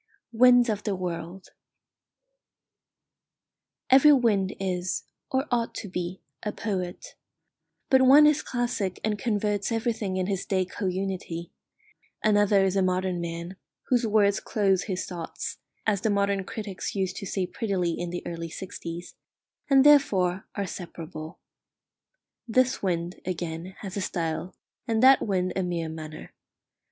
WINDS OF THE WORLD Every wind is, or ought to be, a poet; but one is classic and converts everything in his day co unity; another is a modern man, whose words clothe his thoughts, as the modern critics used to say prettily in the early sixties, and therefore are separable. This wind, again, has a style, and that wind a mere manner.